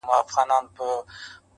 o دا هوښیاري نه غواړم، عقل ناباب راکه.